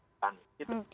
takut yang berpengaruh